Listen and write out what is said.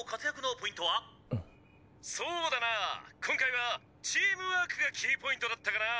「そうだな今回はチームワークがキーポイントだったかな」。